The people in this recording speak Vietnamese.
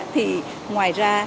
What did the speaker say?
thì ngoài ra